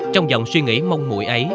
trong dòng suy nghĩ mông mụi ấy